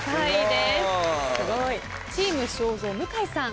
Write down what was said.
チーム正蔵向井さん。